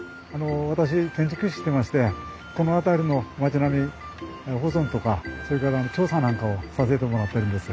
私建築士してましてこの辺りの町並み保存とかそれから調査なんかをさせてもらってるんですよ。